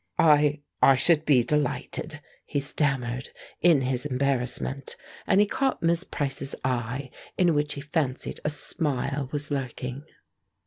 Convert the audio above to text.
"I I should be delighted," he stammered, in his embarrassment, and he caught Miss Price's eye, in which he fancied a smile was lurking.